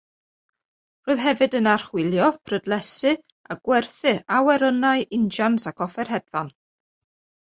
Roedd hefyd yn archwilio, prydlesu a gwerthu awyrennau, injans ac offer hedfan.